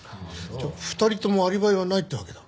じゃあ２人ともアリバイはないってわけだ。